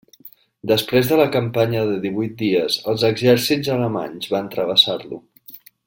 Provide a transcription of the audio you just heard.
Després de la campanya de divuit dies els exèrcits alemanys van travessar-lo.